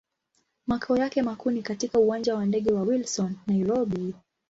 Makao yake makuu ni katika Uwanja wa ndege wa Wilson, Nairobi.